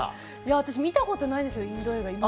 私、見たことないんですよ、インド映画。